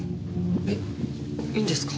えっいいんですか？